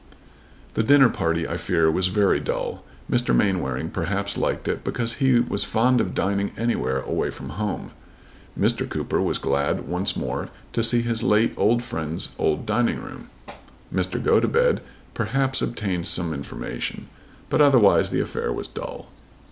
The dinner party I fear was very dull. Mr. Mainwaring perhaps liked it because he was fond of dining anywhere away from home. Mr. Cooper was glad once more to see his late old friend's old dining room. Mr. Gotobed perhaps obtained some information. But otherwise the affair was dull.